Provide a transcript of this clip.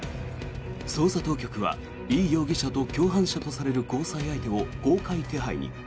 捜査当局はイ容疑者と共犯者とされる交際相手を公開手配に。